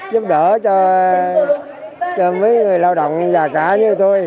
giúp đỡ cho mấy người lao động và cả như tôi